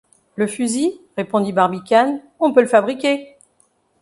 Le fusil, répondit Barbicane, on peut le fabriquer.